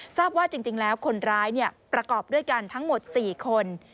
ทราบว่าจริงแล้วคนร้ายประกอบด้วยกันทั้งหมด๔คน